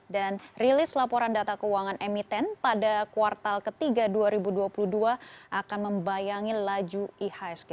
dan rilis laporan data keuangan emiten pada kuartal ketiga dua ribu dua puluh dua akan membayangi laju ihsg